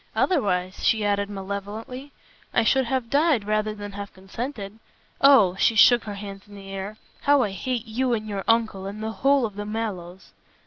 Otherwise," she added malevolently, "I should have died rather than have consented. Oh," she shook her hands in the air, "how I hate you and your uncle and the whole of the Mallows."